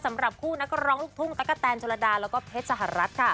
สำหรับคู่นักร้องลูกทุ่งตั๊กกะแตนชนระดาแล้วก็เพชรสหรัฐค่ะ